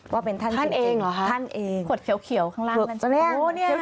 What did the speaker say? ว่าเป็นท่านจริงท่านเองขวดเขียวข้างล่างมันจริงนะครับโอ้โฮเนี่ย